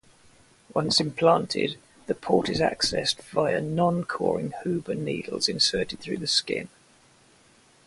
Once implanted, the port is accessed via noncoring "Huber" needles inserted through the skin.